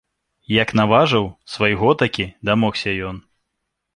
Як наважыў, свайго такі дамогся ён.